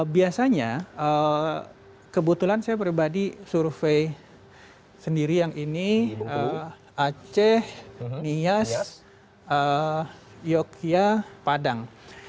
biasanya kebetulan saya pribadi survei sendiri yang ini aceh nias yogyakarta padang